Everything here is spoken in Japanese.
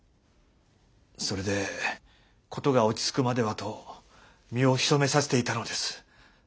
それでことが落ち着くまではと身を潜めさせていたのです。